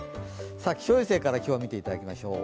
気象衛星から今日は見ていただきましょう。